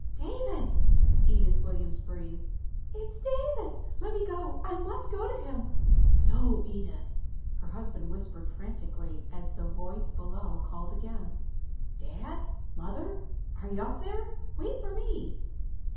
"David!" Edith Williams breathed. "It's David! Let me go! I must go to him." "No, Edith!" her husband whispered frantically, as the voice below called again. "Dad?... Mother?... Are you up there? Wait for me."